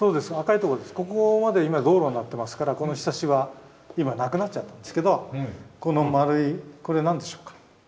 ここまで今道路になってますからこのひさしは今なくなっちゃったんですけどこの丸いこれは何でしょうか？